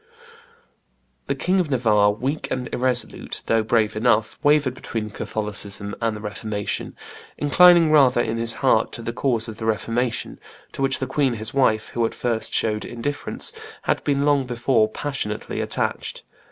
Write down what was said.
The King of Navarre, weak and irresolute though brave enough, wavered between Catholicism and the Reformation, inclining rather in his heart to the cause of the Reformation, to which the queen his wife, who at first showed indifference, had before long become Passionately attached.